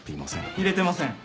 入れてません。